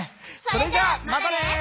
それじゃあまたね！